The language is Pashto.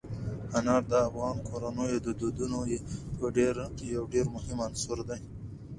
انار د افغان کورنیو د دودونو یو ډېر مهم عنصر دی.